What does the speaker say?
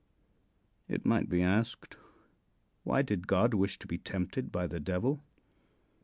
It might be asked: Why did God wish to be tempted by the Devil?